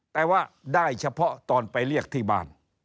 แต่ว่าได้เฉพาะตอนไปเรียกที่บ้าน